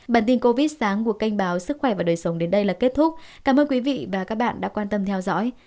bản tin covid sáng của kênh báo sức khỏe và đời sống đến đây là kết thúc cảm ơn quý vị và các bạn đã quan tâm theo dõi